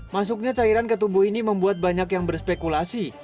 masuknya cairan ketumbuh ini membuat banyak yang berspekulasi